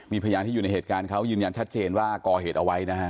มีพยานที่อยู่ในเหตุการณ์เขายืนยันชัดเจนว่าก่อเหตุเอาไว้นะฮะ